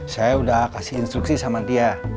saya udah kasih instruksi sama dia